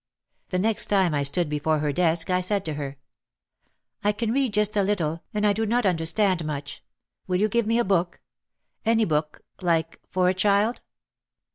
The next time I stood before her desk I said to her, "I can read just a little and I do not understand much. Will you give me a book? — any book — like for a child."